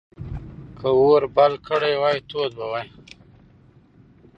که اور بل کړی وای، تود به وای.